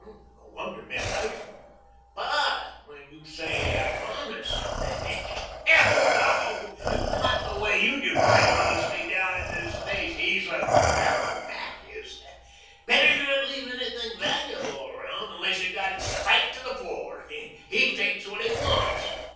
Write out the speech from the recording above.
"No wonder men like him." "But when you say honest Hell, no! Not the way you define honesty down in the States. He's a grabber, Mac is. Better not leave anything valuable around unless you've got it spiked to the floor. He takes what he wants."